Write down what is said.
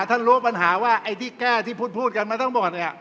ท่านรู้ปัญหาว่าไอ้ที่แก้ที่พูดกันมาทั้งหมด